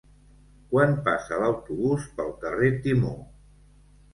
Quan passa l'autobús pel carrer Timó?